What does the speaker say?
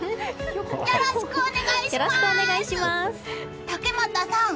よろしくお願いします！